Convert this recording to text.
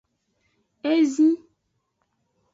Ezi.